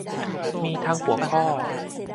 มีทั้งหัวข้อ